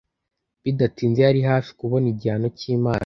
Bidatinze yari hafi kubona igihano cy’Imana.